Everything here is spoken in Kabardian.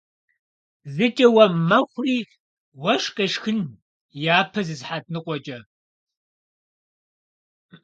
Зыкӏэ уэм мэхъури уэшх къешхын япэ зы сыхьэт ныкъуэкӏэ!